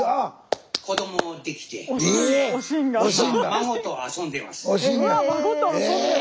孫と遊んでますって。